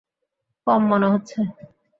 কম মনে হচ্ছে।